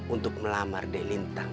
untuk melamar delintang